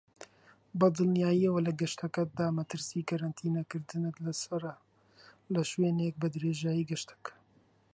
بەدڵنیاییەوە لە گەشتەکەتدا مەترسی کەرەنتینە کردنت لەسەرە لەشوێنێک بەدرێژایی گەشتەکە.